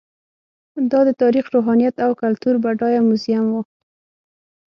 دا د تاریخ، روحانیت او کلتور بډایه موزیم و.